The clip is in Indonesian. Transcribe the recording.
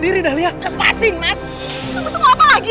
terlalu terlalu terlalu terlalu terlalu